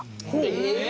えっ！